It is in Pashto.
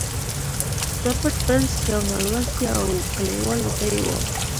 رابرټ برنس یو نالوستی او کلیوال وګړی و